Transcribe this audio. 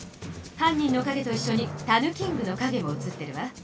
犯人の影と一しょにたぬキングの影も写ってるわ。